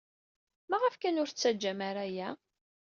Maɣef kan ur tettaǧǧam ara aya?